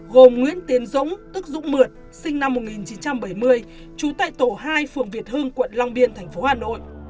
gồm nguyễn tiến dũng tức dũng mượt sinh năm một nghìn chín trăm bảy mươi trú tại tổ hai phường việt hương quận long biên tp hà nội